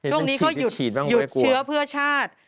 ตรงนี้เขาหยุดเชื้อเพื่อชาติ